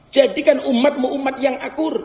jadikan umatmu umat yang akur